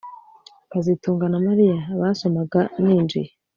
kazitunga na Mariya basomaga ninjiye